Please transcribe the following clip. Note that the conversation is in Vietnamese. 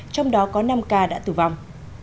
trong đó có năm ca đã tử vong